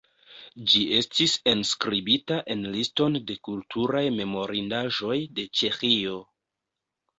Ĝi estis enskribita en Liston de kulturaj memorindaĵoj de Ĉeĥio.